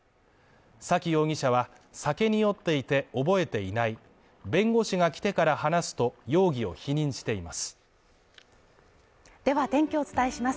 崎容疑者は酒に酔っていて覚えていない弁護士が来てから話すと容疑を否認していますでは天気をお伝えします。